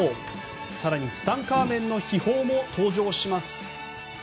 更に、ツタンカーメンの秘宝も登場します！